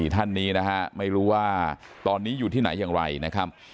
ท่านนี้นะฮะไม่รู้ว่าตอนนี้อยู่ที่ไหนอย่างไรนะครับ